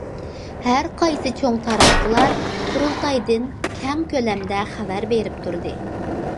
ھەر قايسى چوڭ تاراتقۇلار قۇرۇلتايدىن كەڭ كۆلەمدە خەۋەر بېرىپ تۇردى.